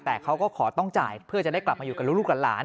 แต่เขาก็ขอต้องจ่ายเพื่อจะได้กลับมาอยู่กับลูกกับหลาน